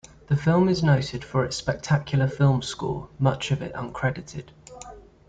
The film is noted for its spectacular film score, much of it uncredited.